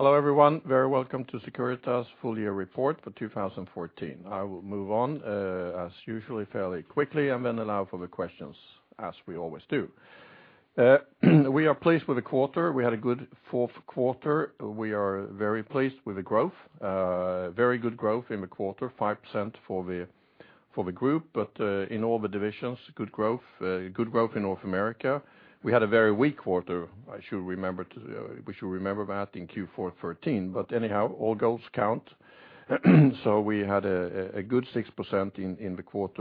Hello, everyone. Very welcome to Securitas' full-year report for 2014. I will move on, as usual, fairly quickly, and then allow for the questions, as we always do. We are pleased with the quarter. We had a good fourth quarter. We are very pleased with the growth. Very good growth in the quarter, 5% for the group, but in all the divisions, good growth. Good growth in North America. We had a very weak quarter, we should remember that, in Q4 2013, but anyhow, all goals count. So we had a good 6% in the fourth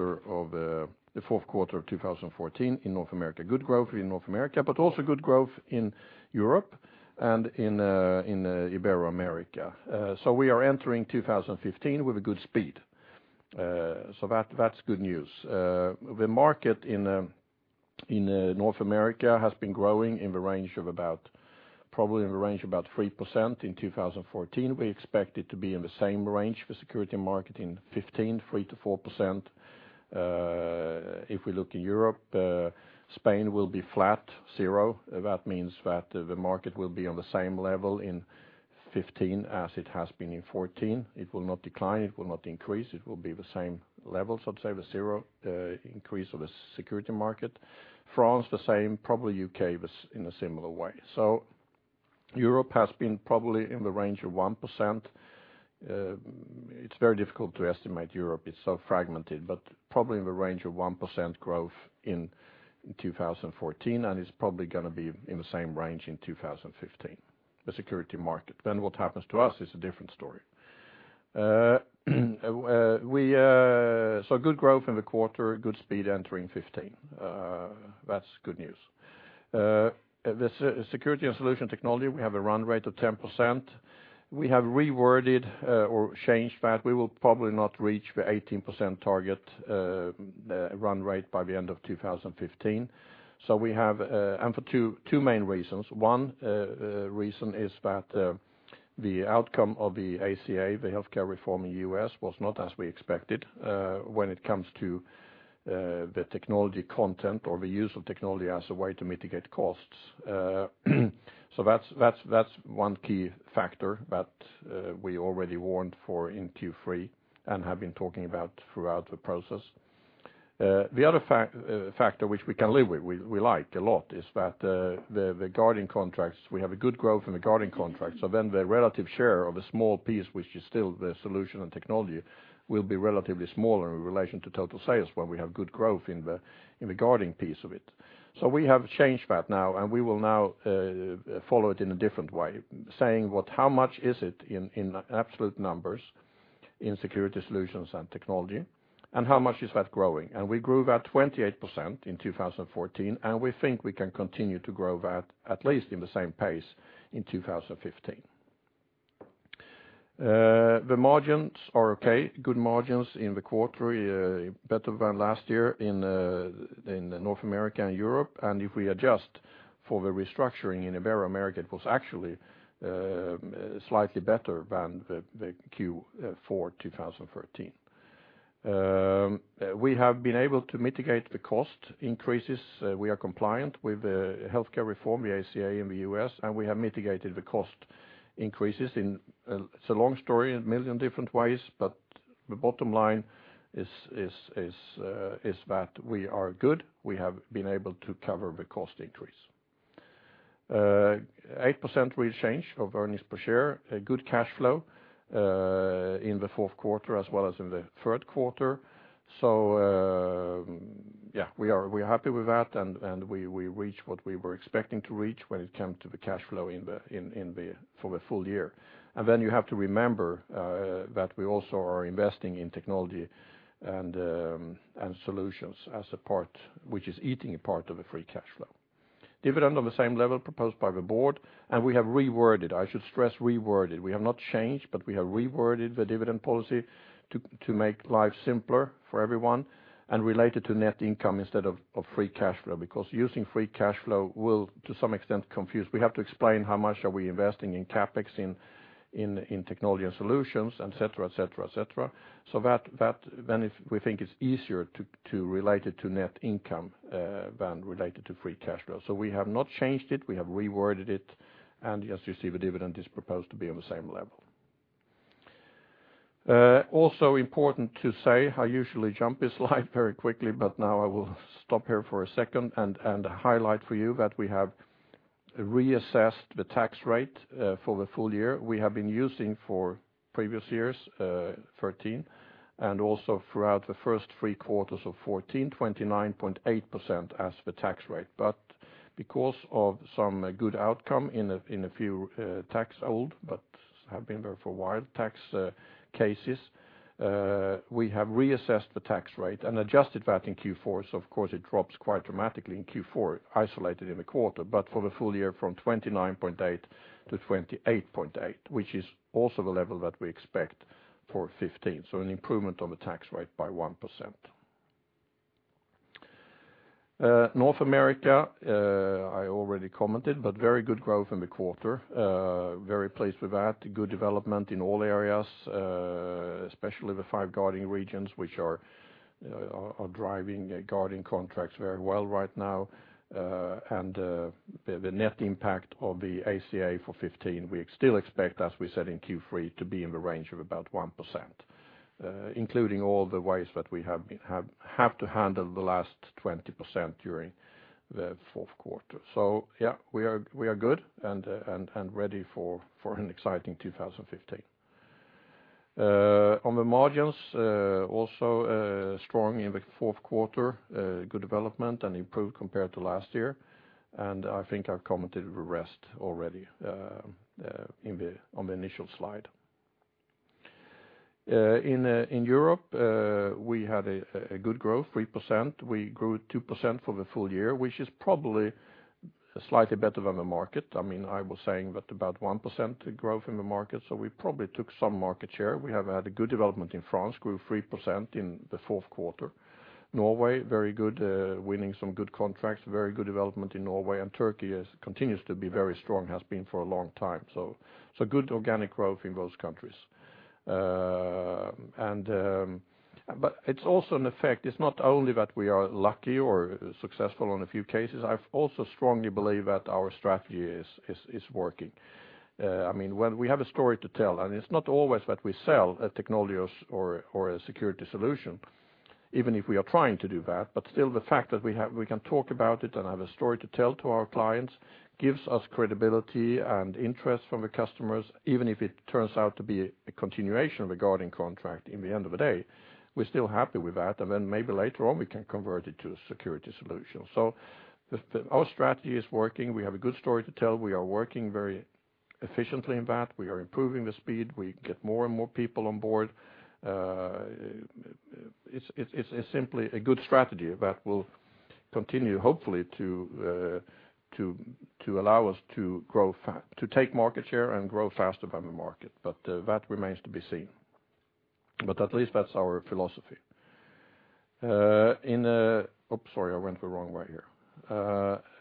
quarter of 2014 in North America. Good growth in North America, but also good growth in Europe and in Ibero-America. So we are entering 2015 with a good speed. So that, that's good news. The market in North America has been growing in the range of about, probably in the range of about 3% in 2014. We expect it to be in the same range for security market in 2015, 3%-4%. If we look in Europe, Spain will be flat, zero. That means that the market will be on the same level in 2015 as it has been in 2014. It will not decline. It will not increase. It will be the same level, so I'd say the zero increase of the security market. France, the same, probably U.K., was in a similar way. So Europe has been probably in the range of 1%. It's very difficult to estimate Europe. It's so fragmented, but probably in the range of 1% growth in 2014, and it's probably gonna be in the same range in 2015, the security market. Then what happens to us is a different story. So good growth in the quarter, good speed entering 2015. That's good news. The Security and Solution Technology, we have a run rate of 10%. We have reworded or changed that. We will probably not reach the 18% target run rate by the end of 2015. So we have, and for two main reasons. One reason is that the outcome of the ACA, the healthcare reform in the U.S., was not as we expected when it comes to the technology content or the use of technology as a way to mitigate costs. So that's one key factor that we already warned for in Q3 and have been talking about throughout the process. The other factor, which we can live with, we like a lot, is that the guarding contracts, we have a good growth in the guarding contracts, so then the relative share of a small piece, which is still the solution and technology, will be relatively smaller in relation to total sales, where we have good growth in the guarding piece of it. So we have changed that now, and we will now follow it in a different way, saying what, how much is it in absolute numbers in security solutions and technology, and how much is that growing? We grew that 28% in 2014, and we think we can continue to grow that at least in the same pace in 2015. The margins are okay. Good margins in the quarter, better than last year in North America and Europe, and if we adjust for the restructuring in Ibero-America, it was actually slightly better than the Q4 2013. We have been able to mitigate the cost increases. We are compliant with the healthcare reform, the ACA, in the U.S., and we have mitigated the cost increases in... It's a long story, a million different ways, but the bottom line is that we are good. We have been able to cover the cost increase. 8% increase in earnings per share, a good cash flow in the fourth quarter as well as in the third quarter. So, yeah, we're happy with that, and we reached what we were expecting to reach when it come to the cash flow in for the full-year. Then you have to remember that we also are investing in technology and solutions as a part, which is eating a part of the free cash flow. Dividend on the same level proposed by the board, and we have reworded, I should stress reworded, we have not changed, but we have reworded the dividend policy to make life simpler for everyone and relate it to net income instead of free cash flow, because using free cash flow will, to some extent, confuse. We have to explain how much we are investing in CapEx, in technology and solutions, et cetera, et cetera, et cetera. So we think it's easier to relate it to net income than relate it to free cash flow. So we have not changed it. We have reworded it, and as you see, the dividend is proposed to be on the same level. Also important to say, I usually jump this slide very quickly, but now I will stop here for a second and highlight for you that we have reassessed the tax rate for the full-year. We have been using for previous years 2013, and also throughout the first three quarters of 2014, 29.8% as the tax rate. But because of some good outcome in a few old tax cases that have been there for a while, we have reassessed the tax rate and adjusted that in Q4, so of course, it drops quite dramatically in Q4, isolated in the quarter, but for the full-year, from 29.8 to 28.8, which is also the level that we expect for 2015, so an improvement on the tax rate by 1%. North America, I already commented, but very good growth in the quarter. Very pleased with that. Good development in all areas, especially the five guarding regions, which are driving the guarding contracts very well right now. The net impact of the ACA for 2015, we still expect, as we said in Q3, to be in the range of about 1%, including all the ways that we have to handle the last 20% during the fourth quarter. So yeah, we are good and ready for an exciting 2015. On the margins, also strong in the fourth quarter. Good development and improved compared to last year, and I think I've commented the rest already on the initial slide. In Europe, we had a good growth, 3%. We grew 2% for the full-year, which is probably slightly better than the market. I mean, I was saying that about 1% growth in the market, so we probably took some market share. We have had a good development in France, grew 3% in the fourth quarter. Norway, very good, winning some good contracts, very good development in Norway, and Turkey continues to be very strong, has been for a long time. So good organic growth in those countries. But it's also an effect. It's not only that we are lucky or successful on a few cases, I also strongly believe that our strategy is working. I mean, when we have a story to tell, and it's not always that we sell a technologies or a security solution, even if we are trying to do that, but still the fact that we can talk about it and have a story to tell to our clients, gives us credibility and interest from the customers, even if it turns out to be a continuation of a guarding contract. In the end of the day, we're still happy with that, and then maybe later on, we can convert it to a security solution. So, our strategy is working. We have a good story to tell. We are working very efficiently in that. We are improving the speed. We get more and more people on board. It's simply a good strategy that will continue, hopefully, to allow us to take market share and grow faster than the market, but that remains to be seen. But at least that's our philosophy. Oops, sorry, I went the wrong way here.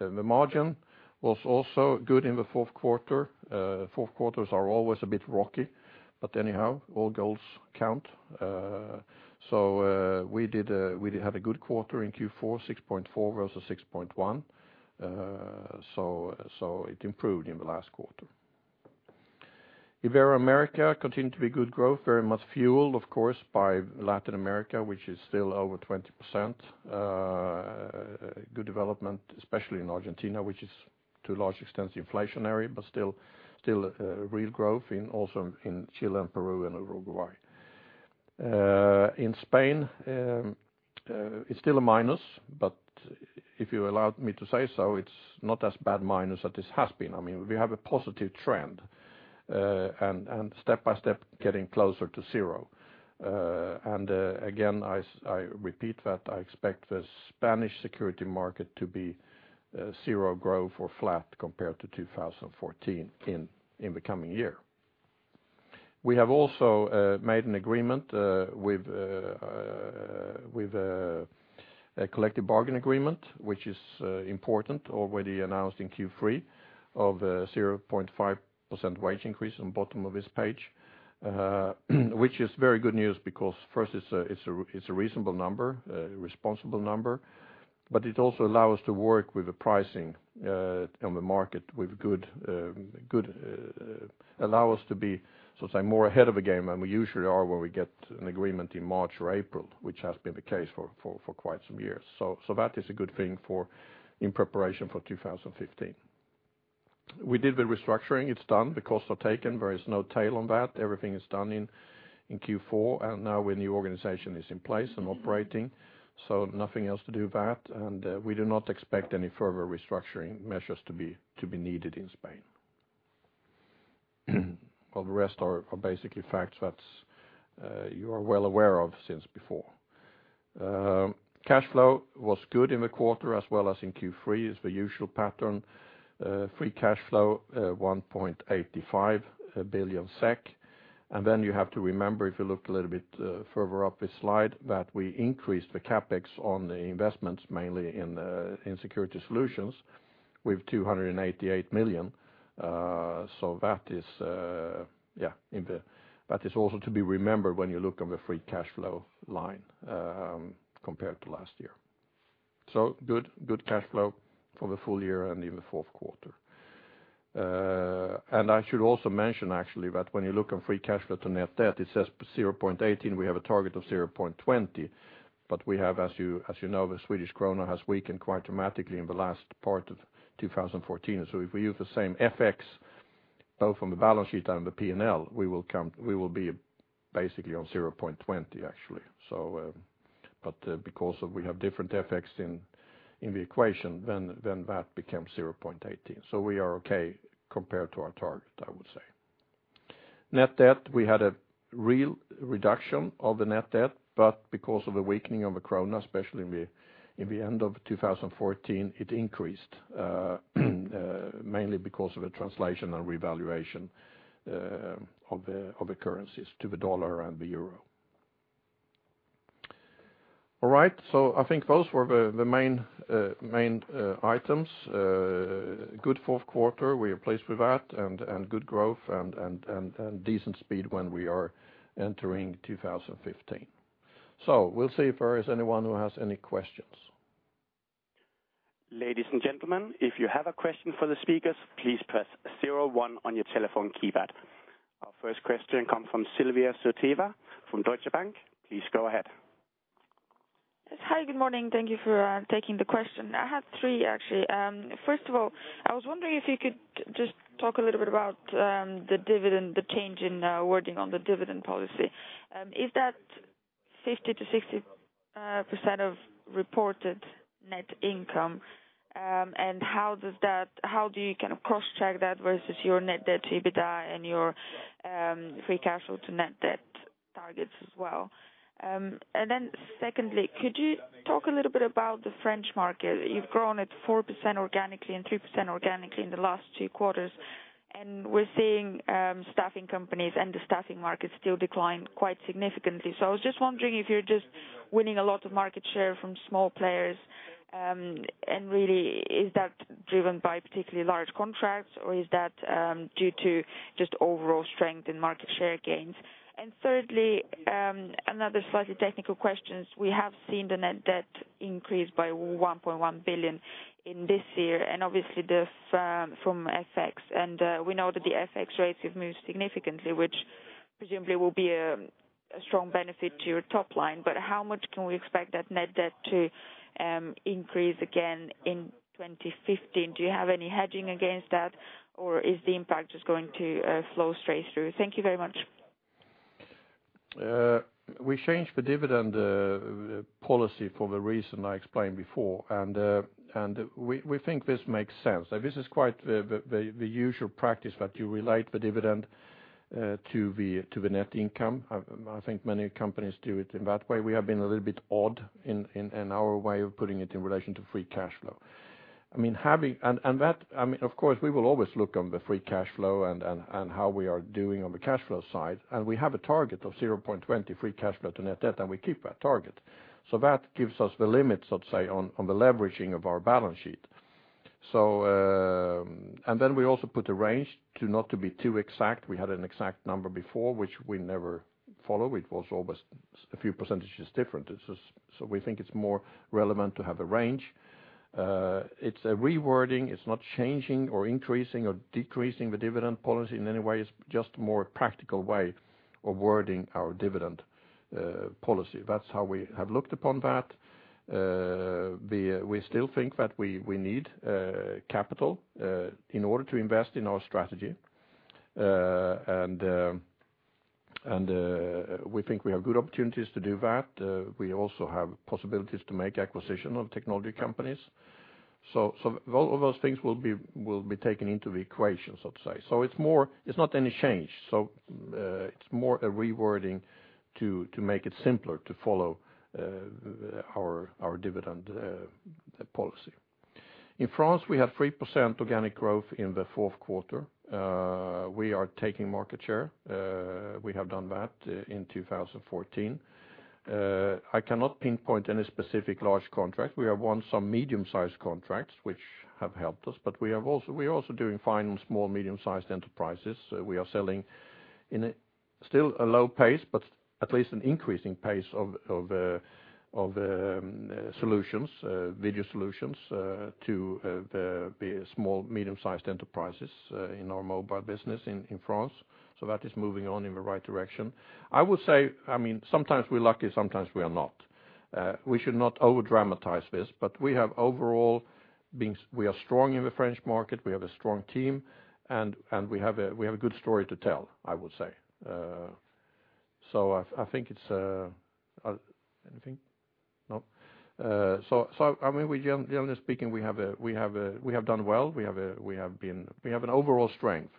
The margin was also good in the fourth quarter. Fourth quarters are always a bit rocky, but anyhow, all goals count. So, we did have a good quarter in Q4, 6.4 versus 6.1. So it improved in the last quarter. Ibero-America continued to be good growth, very much fueled, of course, by Latin America, which is still over 20%. Good development, especially in Argentina, which is, to a large extent, inflationary, but still, real growth also in Chile, and Peru, and Uruguay. In Spain, it's still a minus, but if you allow me to say so, it's not as bad minus as it has been. I mean, we have a positive trend, and step by step, getting closer to zero. And again, I repeat that I expect the Spanish security market to be zero growth or flat compared to 2014 in the coming year. We have also made an agreement with a collective bargain agreement, which is important, already announced in Q3, of 0.5% wage increase on bottom of this page. Which is very good news, because first, it's a reasonable number, a responsible number, but it also allow us to work with the pricing on the market with good, good. Allow us to be, so to say, more ahead of the game than we usually are when we get an agreement in March or April, which has been the case for quite some years. So that is a good thing for, in preparation for 2015. We did the restructuring. It's done. The costs are taken. There is no tail on that. Everything is done in Q4, and now a new organization is in place and operating, so nothing else to do that. We do not expect any further restructuring measures to be needed in Spain. Well, the rest are basically facts that you are well aware of since before. Cash flow was good in the quarter, as well as in Q3, is the usual pattern. Free cash flow, 1.85 billion SEK. And then you have to remember, if you look a little bit further up this slide, that we increased the CapEx on the investments, mainly in security solutions with 288 million. So that is, yeah, in the- That is also to be remembered when you look on the free cash flow line, compared to last year. So good, good cash flow for the full-year and in the fourth quarter. And I should also mention, actually, that when you look on free cash flow to net debt, it says 0.18. We have a target of 0.20, but as you know, the Swedish krona has weakened quite dramatically in the last part of 2014. So if we use the same FX, both on the balance sheet and the P&L, we will be basically on 0.20, actually. So but because we have different FX in the equation, then that becomes 0.18. So we are okay compared to our target, I would say. Net debt, we had a real reduction of the net debt, but because of the weakening of the krona, especially in the end of 2014, it increased mainly because of the translation and revaluation of the currencies to the dollar and the euro. All right, so I think those were the main items. Good fourth quarter, we are pleased with that, and good growth and decent speed when we are entering 2015. So we'll see if there is anyone who has any questions. Ladies and gentlemen, if you have a question for the speakers, please press zero-one on your telephone keypad. Our first question comes from Sylvia Foteva from Deutsche Bank. Please go ahead. Hi, good morning. Thank you for taking the question. I have three, actually. First of all, I was wondering if you could just talk a little bit about the dividend, the change in wording on the dividend policy. Is that 50%-60% of reported net income? And how do you kind of cross-check that versus your net-debt-to-EBITDA and your free cash flow to net debt targets as well? And then secondly, could you talk a little bit about the French market? You've grown it 4% organically and 3% organically in the last two quarters, and we're seeing staffing companies and the staffing market still decline quite significantly. So I was just wondering if you're just winning a lot of market share from small players, and really, is that driven by particularly large contracts, or is that due to just overall strength in market share gains? And thirdly, another slightly technical question, we have seen the net debt increase by 1.1 billion in this year, and obviously, this from, from FX. And we know that the FX rates have moved significantly, which presumably will be a strong benefit to your top line, but how much can we expect that net debt to increase again in 2015? Do you have any hedging against that, or is the impact just going to flow straight through? Thank you very much. We changed the dividend policy for the reason I explained before, and we think this makes sense. This is quite the usual practice, that you relate the dividend to the net income. I think many companies do it in that way. We have been a little bit odd in our way of putting it in relation to free cash flow. I mean, having—and that, I mean, of course, we will always look on the free cash flow and how we are doing on the cash flow side, and we have a target of 0.20 free cash flow to net debt, and we keep that target. So that gives us the limits, let's say, on the leveraging of our balance sheet. So, and then we also put a range to not be too exact. We had an exact number before, which we never follow. It was always a few percentages different. It's just so we think it's more relevant to have a range. It's a rewording. It's not changing or increasing or decreasing the dividend policy in any way. It's just more practical way of wording our dividend policy. That's how we have looked upon that. We still think that we need capital in order to invest in our strategy. And we think we have good opportunities to do that. We also have possibilities to make acquisition of technology companies. So all of those things will be taken into the equation, let's say. So it's more, it's not any change, so it's more a rewording to make it simpler to follow our dividend policy. In France, we have 3% organic growth in the fourth quarter. We are taking market share. We have done that in 2014. I cannot pinpoint any specific large contract. We have won some medium-sized contracts which have helped us, but we have also, we're also doing fine with small, medium-sized enterprises. We are selling in a still low pace, but at least an increasing pace of solutions, video solutions, to the small, medium-sized enterprises in our mobile business in France. So that is moving on in the right direction. I would say, I mean, sometimes we're lucky, sometimes we are not. We should not over-dramatize this, but we have overall been—we are strong in the French market, we have a strong team, and we have a good story to tell, I would say. So I think it's... Anything? No. So, I mean, generally speaking, we have a, we have done well. We have a, we have been—we have an overall strength,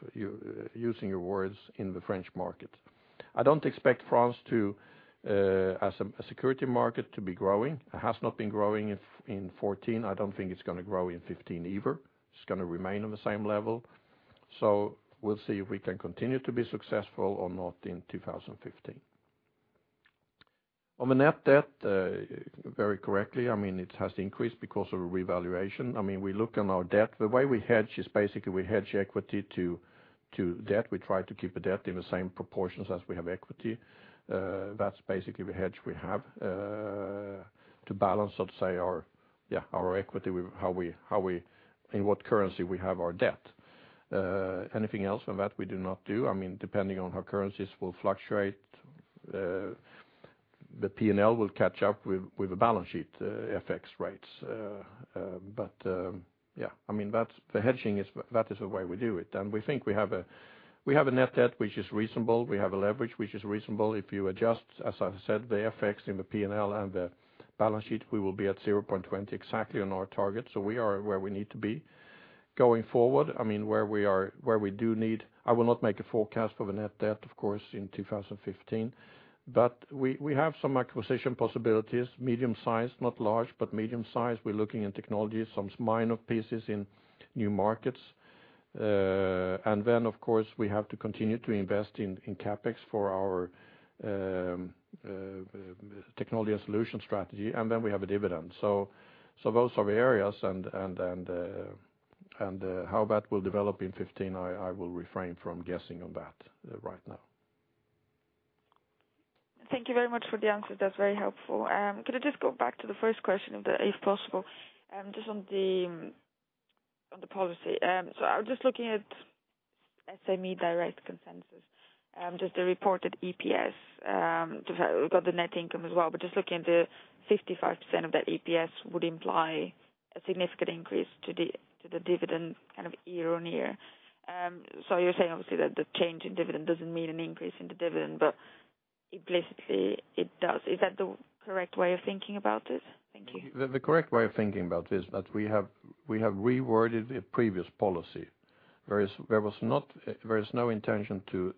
using your words, in the French market. I don't expect France to, as a security market, to be growing. It has not been growing in 2014. I don't think it's gonna grow in 2015 either. It's gonna remain on the same level. So we'll see if we can continue to be successful or not in 2015. On the net debt, very correctly, I mean, it has increased because of a revaluation. I mean, we look on our debt. The way we hedge is basically we hedge equity to, to debt. We try to keep the debt in the same proportions as we have equity. That's basically the hedge we have, to balance, let's say, our, yeah, our equity, with how we, how we-- in what currency we have our debt. Anything else from that, we do not do. I mean, depending on how currencies will fluctuate, the P&L will catch up with, with the balance sheet, FX rates. But, yeah, I mean, that's the hedging is, that is the way we do it, and we think we have a, we have a net debt which is reasonable. We have a leverage which is reasonable. If you adjust, as I said, the FX in the P&L and the balance sheet, we will be at 0.20, exactly on our target, so we are where we need to be. Going forward, I mean, where we are, where we do need, I will not make a forecast for the net debt, of course, in 2015. But we have some acquisition possibilities, medium-sized, not large, but medium-sized. We're looking at technology, some minor pieces in new markets. And then, of course, we have to continue to invest in CapEx for our technology and solution strategy, and then we have a dividend. So those are the areas and how that will develop in 2015, I will refrain from guessing on that right now. Thank you very much for the answer. That's very helpful. Could I just go back to the first question, if possible, just on the policy? So I was just looking at SME Direkt consensus, just the reported EPS, got the net income as well. But just looking at the 55% of that EPS would imply a significant increase to the dividend kind of year-on-year. So you're saying, obviously, that the change in dividend doesn't mean an increase in the dividend, but implicitly it does. Is that the correct way of thinking about this? Thank you. The correct way of thinking about this, that we have reworded the previous policy. There is no intention to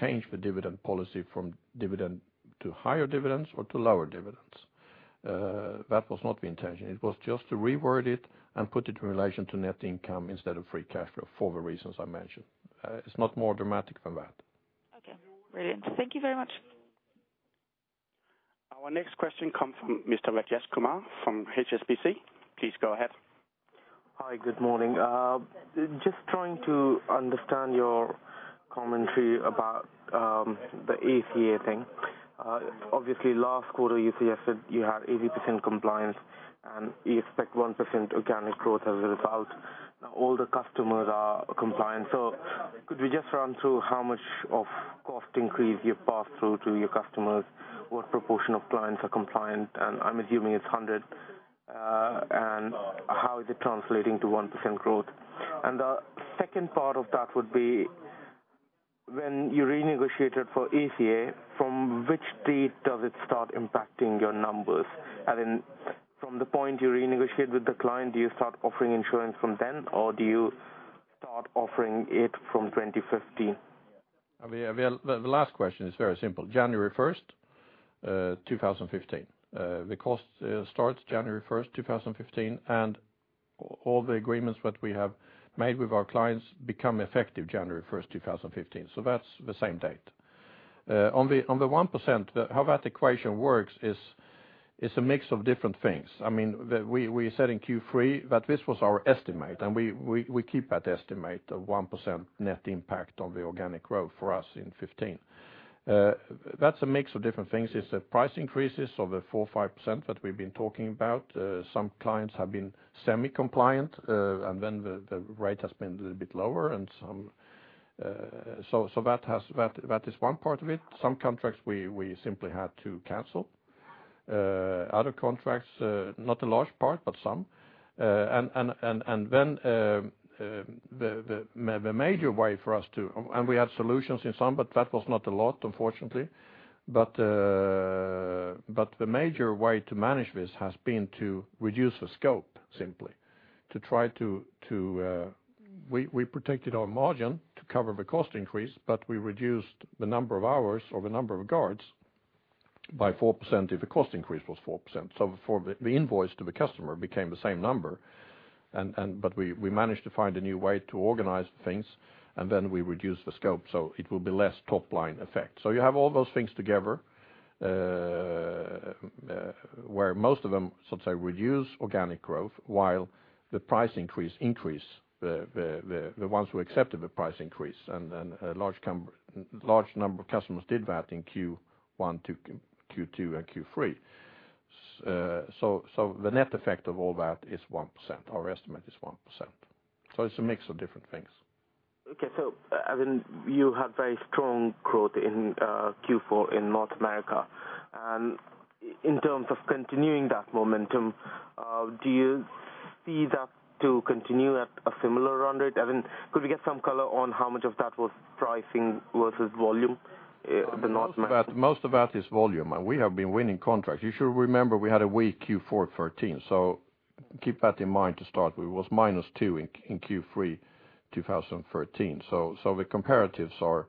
change the dividend policy from dividend to higher dividends or to lower dividends. That was not the intention. It was just to reword it and put it in relation to net income instead of free cash flow, for the reasons I mentioned. It's not more dramatic than that. Okay, brilliant. Thank you very much. Our next question comes from Mr. Rajesh Kumar from HSBC. Please go ahead. Hi, good morning. Just trying to understand your commentary about, the ACA thing. Obviously, last quarter, you suggested you had 80% compliance, and you expect 1% organic growth as a result. Now all the customers are compliant, so could we just run through how much of cost increase you've passed through to your customers? What proportion of clients are compliant? And I'm assuming it's 100. And how is it translating to 1% growth? And the second part of that would be when you renegotiated for ACA, from which date does it start impacting your numbers? I mean, from the point you renegotiate with the client, do you start offering insurance from then, or do you start offering it from 2015? I mean, the last question is very simple, January 1st, 2015. The cost starts January 1st, 2015, and all the agreements that we have made with our clients become effective January 1st, 2015. So that's the same date. On the one percent, how that equation works is, it's a mix of different things. I mean, we said in Q3 that this was our estimate, and we keep that estimate of 1% net impact on the organic growth for us in 2015. That's a mix of different things, it's the price increases of the 4 %-5% that we've been talking about. Some clients have been semi-compliant, and then the rate has been a little bit lower and some... So that has, that is one part of it. Some contracts we simply had to cancel. Other contracts, not a large part, but some, then, the major way for us to, and we had solutions in some, but that was not a lot, unfortunately. But, but the major way to manage this has been to reduce the scope, simply. To try to, we protected our margin to cover the cost increase, but we reduced the number of hours or the number of guards by 4%, if the cost increase was 4%. So for the invoice to the customer became the same number, but we managed to find a new way to organize things, and then we reduced the scope, so it will be less top-line effect. So you have all those things together, where most of them, so to say, reduce organic growth, while the price increase increase the ones who accepted the price increase, and then a large number of customers did that in Q1 to Q2 and Q3. So the net effect of all that is 1%. Our estimate is 1%, so it's a mix of different things. Okay, so, I mean, you have very strong growth in Q4 in North America, and in terms of continuing that momentum, do you see that to continue at a similar run rate? I mean, could we get some color on how much of that was pricing versus volume, the North America? Most of that, most of that is volume, and we have been winning contracts. You should remember we had a weak Q4 2013, so keep that in mind to start with. It was -2% in Q3 2013. So the comparatives are...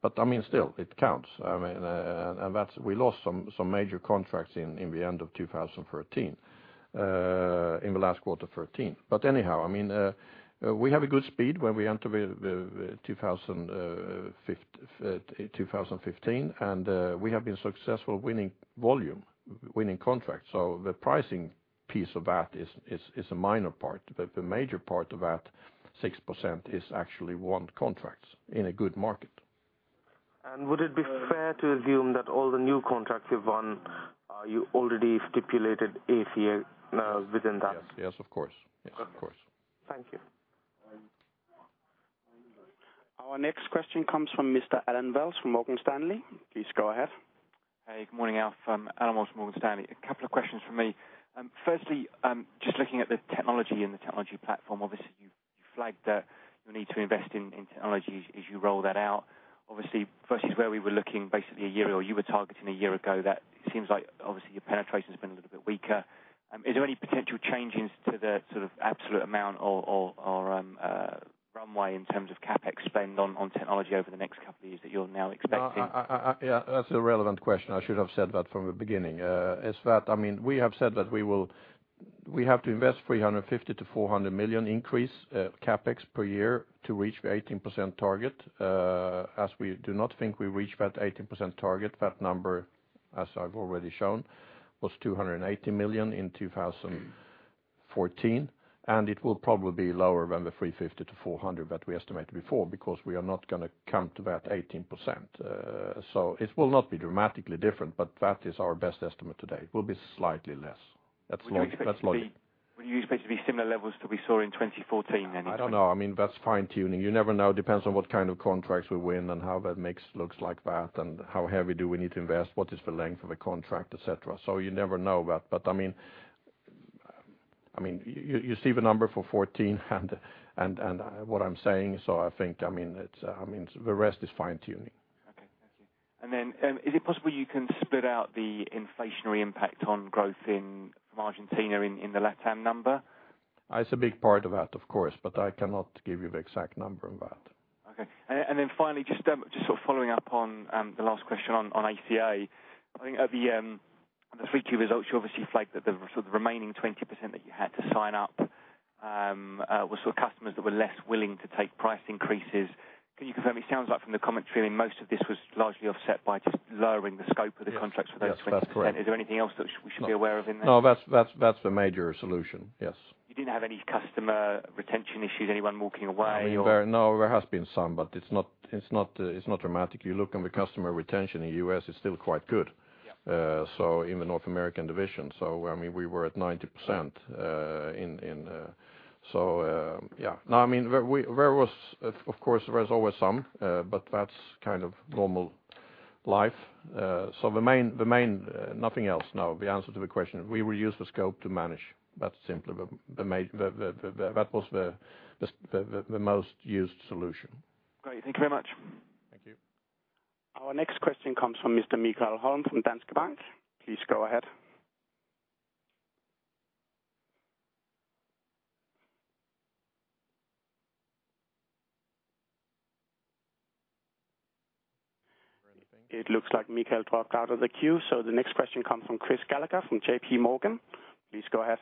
But I mean, still, it counts. I mean, and that's, we lost some major contracts in the end of 2013, in the last quarter of 2013. But anyhow, I mean, we have a good speed when we enter the 2015, and we have been successful winning volume, winning contracts. So the pricing piece of that is a minor part, but the major part of that 6% is actually won contracts in a good market. Would it be fair to assume that all the new contracts you've won, are you already stipulated ACA within that? Yes, of course. Yes, of course. Thank you. Our next question comes from Mr. Allen Wells from Morgan Stanley. Please go ahead. Hey, good morning, Allen Wells from Morgan Stanley. A couple of questions from me. Firstly, just looking at the technology and the technology platform, obviously, you flagged the need to invest in technology as you roll that out. Obviously, versus where we were looking basically a year ago, you were targeting a year ago, that seems like obviously your penetration's been a little bit weaker. Is there any potential changes to the sort of absolute amount or,... runway in terms of CapEx spend on technology over the next couple of years that you're now expecting? Yeah, that's a relevant question. I should have said that from the beginning. I mean, we have said that we have to invest 350- 400 million increase in CapEx per year to reach the 18% target. As we do not think we reach that 18% target, that number, as I've already shown, was 280 million in 2014, and it will probably be lower than the 350-400 that we estimated before, because we are not gonna come to that 18%. So it will not be dramatically different, but that is our best estimate today. It will be slightly less. That's logic, that's logic. Will you expect it to be, will you expect it to be similar levels to what we saw in 2014 then? I don't know. I mean, that's fine-tuning. You never know. Depends on what kind of contracts we win and how that mix looks like that, and how heavy do we need to invest, what is the length of the contract, et cetera. So you never know that. But, I mean, I mean, you, you see the number for 2014, and, and, and what I'm saying, so I think, I mean, it's, I mean, the rest is fine-tuning. Okay, thank you. Then, is it possible you can split out the inflationary impact on growth in Argentina in the LatAm number? It's a big part of that, of course, but I cannot give you the exact number on that. Okay. And then finally, just sort of following up on the last question on ACA. I think at the 3Q results, you obviously flagged that the sort of remaining 20% that you had to sign up were sort of customers that were less willing to take price increases. Can you confirm? It sounds like from the commentary, most of this was largely offset by just lowering the scope of the contracts for those customers. Yes, that's correct. Is there anything else that we should be aware of in there? No, that's the major solution, yes. You didn't have any customer retention issues, anyone walking away or? I mean, there has been some, but it's not, it's not, it's not dramatic. You look on the customer retention in the U.S., it's still quite good. Yeah. So in the North American division, so, I mean, we were at 90%. So, yeah. No, I mean, there was, of course, there is always some, but that's kind of normal life. So the main, the main, nothing else, no. The answer to the question, we will use the scope to manage. That's simply the, the main, the, the, the, that was the, the, the, the most used solution. Great, thank you very much. Thank you. Our next question comes from Mr. Mikael Holm from Danske Bank. Please go ahead. It looks like Mikael dropped out of the queue, so the next question comes from Chris Gallagher from J.P. Morgan. Please go ahead.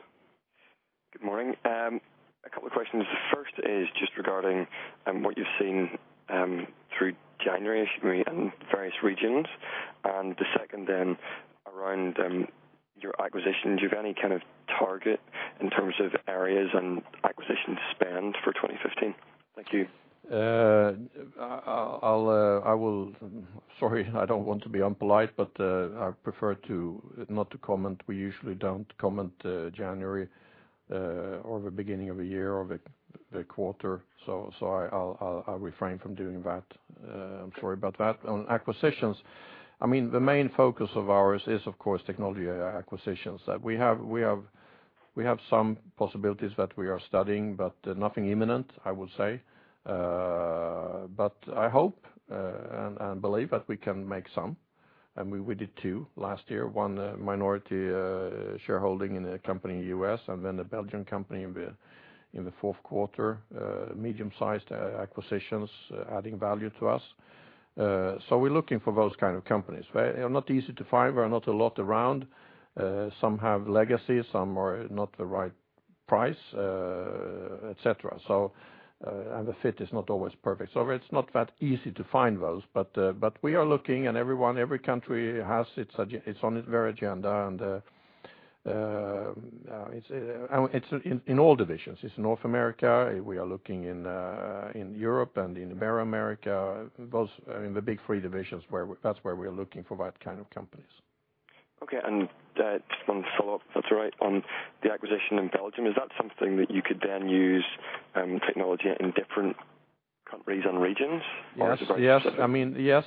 Good morning. A couple of questions. First is just regarding what you've seen through January in various regions, and the second then around your acquisitions. Do you have any kind of target in terms of areas and acquisition spend for 2015? Thank you. Sorry, I don't want to be impolite, but I prefer not to comment. We usually don't comment January or the beginning of the year or the quarter. So I'll refrain from doing that. I'm sorry about that. On acquisitions, I mean, the main focus of ours is, of course, technology acquisitions. That we have some possibilities that we are studying, but nothing imminent, I will say. But I hope and believe that we can make some, and we did two last year, one minority shareholding in a company in U.S. and then a Belgian company in the fourth quarter, medium-sized acquisitions adding value to us. So we're looking for those kind of companies. They are not easy to find. There are not a lot around. Some have legacy, some are not the right price, et cetera, so, and the fit is not always perfect. So it's not that easy to find those, but we are looking, and every country has its agenda, it's on its very agenda, and it's in all divisions. It's North America, we are looking in Europe and in the Latin America, those, I mean, the big three divisions, where that's where we're looking for that kind of companies. Okay, and just one follow-up. That's right. On the acquisition in Belgium, is that something that you could then use, technology in different countries and regions? Yes, yes. I mean, yes,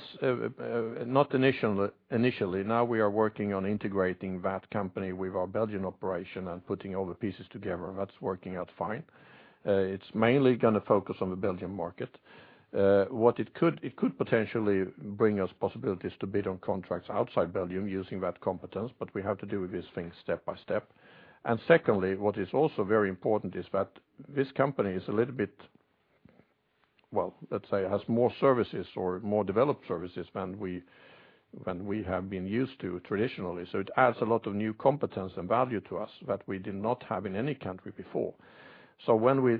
not initially, initially. Now we are working on integrating that company with our Belgian operation and putting all the pieces together. That's working out fine. It's mainly gonna focus on the Belgian market. It could potentially bring us possibilities to bid on contracts outside Belgium using that competence, but we have to do these things step by step. And secondly, what is also very important is that this company is a little bit, well, let's say, has more services or more developed services than we have been used to traditionally. So it adds a lot of new competence and value to us that we did not have in any country before. So when we,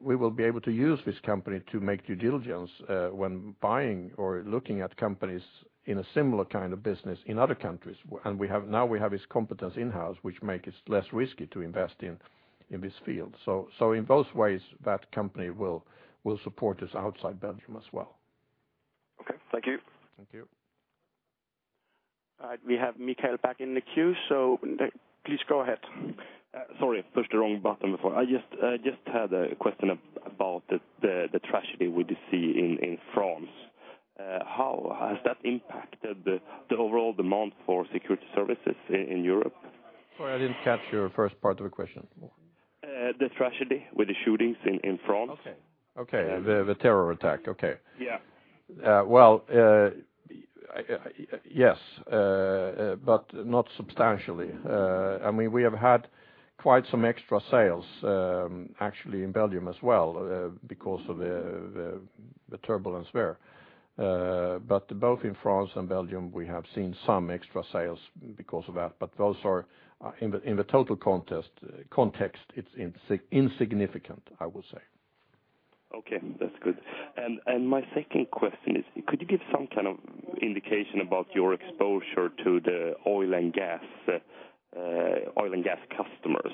we will be able to use this company to make due diligence when buying or looking at companies in a similar kind of business in other countries, and now we have this competence in-house, which makes it less risky to invest in this field. So in both ways, that company will support us outside Belgium as well. Okay, thank you. Thank you. We have Mikael back in the queue, so please go ahead. Sorry, I pushed the wrong button before. I just had a question about the tragedy we did see in France. How has that impacted the overall demand for security services in Europe? Sorry, I didn't catch your first part of the question. The tragedy with the shootings in France. Okay. Okay, the terror attack, okay. Yeah. Well, yes, but not substantially. I mean, we have had quite some extra sales, actually in Belgium as well, because of the turbulence there. But both in France and Belgium, we have seen some extra sales because of that, but those are in the total context, it's insignificant, I will say. Okay, that's good. And my second question is: could you give some kind of indication about your exposure to the oil and gas, oil and gas customers?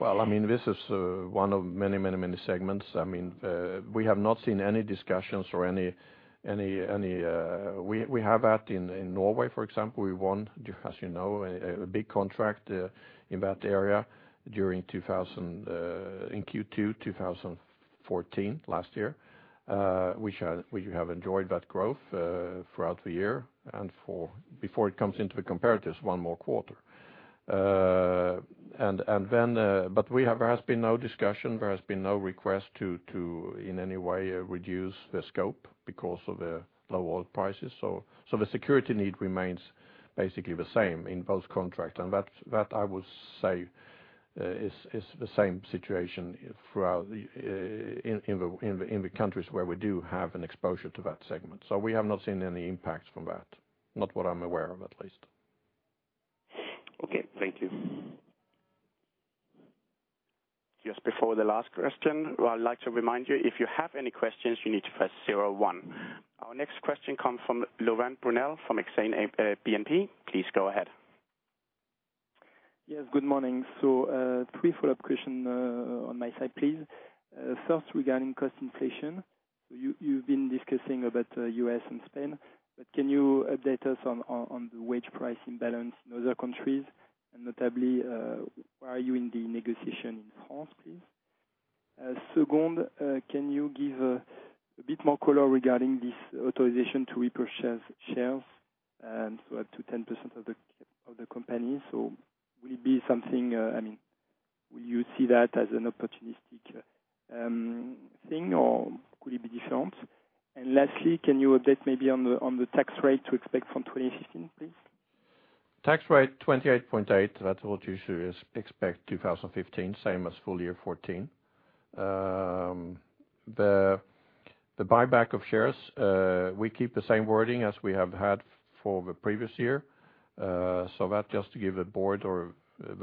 Well, I mean, this is one of many, many, many segments. I mean, we have not seen any discussions or any. We have that in Norway, for example. We won, as you know, a big contract in that area during 2014 in Q2 2014, last year. We have enjoyed that growth throughout the year and for one more quarter before it comes into the comparatives. And then, but we have. There has been no discussion, there has been no request to in any way reduce the scope because of the low oil prices. So the security need remains basically the same in both contracts, and that I will say is the same situation throughout in the countries where we do have an exposure to that segment. So we have not seen any impact from that. Not what I'm aware of, at least. Okay. Thank you. Just before the last question, I'd like to remind you, if you have any questions, you need to press zero-one. Our next question comes from Laurent Brunelle, from Exane BNP. Please go ahead. Yes, good morning. So, three follow-up questions, on my side, please. First, regarding cost inflation. You, you've been discussing about, U.S. and Spain, but can you update us on, the wage price imbalance in other countries? And notably, where are you in the negotiation in France, please? Second, can you give a bit more color regarding this authorization to repurchase shares, so up to 10% of the, of the company? So will it be something, I mean, will you see that as an opportunistic, thing, or could it be different? And lastly, can you update maybe on the, the tax rate to expect from 2018, please? Tax rate, 28.8%. That's what you should expect 2015, same as full-year 2014. The buyback of shares, we keep the same wording as we have had for the previous year. So that just to give the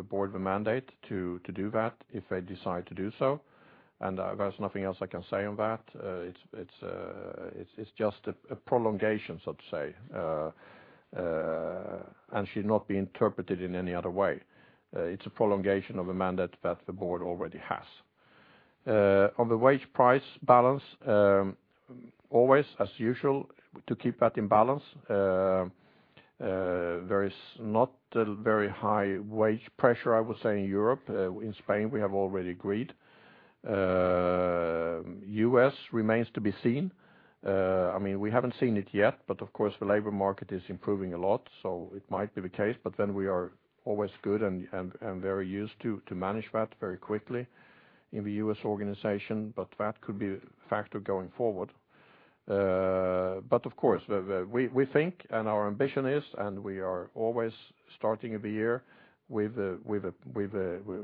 board the mandate to do that, if they decide to do so. There's nothing else I can say on that. It's just a prolongation, so to say, and should not be interpreted in any other way. It's a prolongation of a mandate that the board already has. On the wage price balance, always, as usual, to keep that in balance, there is not a very high wage pressure, I would say, in Europe. In Spain, we have already agreed. U.S. remains to be seen. I mean, we haven't seen it yet, but of course, the labor market is improving a lot, so it might be the case, but then we are always good and very used to manage that very quickly in the U.S. organization, but that could be a factor going forward. But of course, we think, and our ambition is, and we are always starting the year with a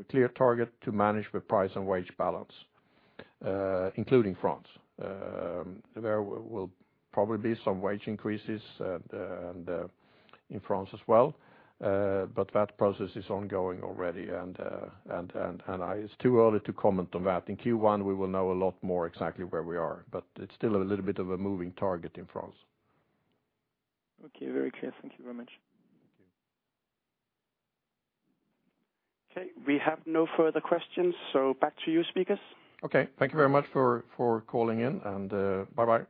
clear target to manage the price and wage balance, including France. There will probably be some wage increases and in France as well, but that process is ongoing already, and it's too early to comment on that. In Q1, we will know a lot more exactly where we are, but it's still a little bit of a moving target in France. Okay. Very clear. Thank you very much. Okay, we have no further questions, so back to you, speakers. Okay, thank you very much for calling in and bye-bye.